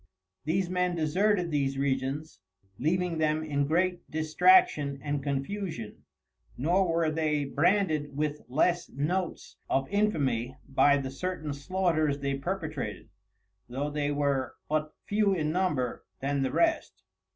These Men deserted these Regions, leaving them in great distraction and confusion, nor were they branded with less notes of infamy, by the certain Slaughters they perpetrated, though they were but few in number than the rest.